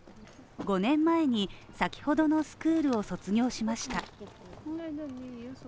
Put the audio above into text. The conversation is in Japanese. ５年前に、先ほどのスクールを卒業しました。